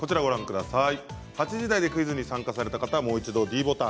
８時台でクイズに参加された方はもう一度ｄボタン。